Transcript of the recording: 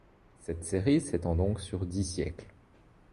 Cette série s'étend donc sur dix siècles.